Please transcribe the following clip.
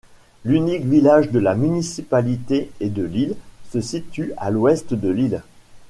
L'unique village de la municipalité, et de l'île, se situe à l'ouest de l'île.